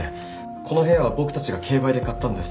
この部屋は僕たちが競売で買ったんです。